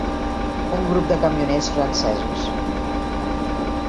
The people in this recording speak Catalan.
Un grup de camioners francesos